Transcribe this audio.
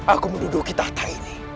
aku menduduki tata ini